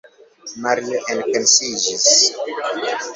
Mario enpensiĝis.